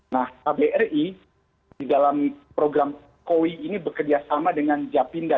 nah kbri di dalam program koi ini bekerjasama dengan japinda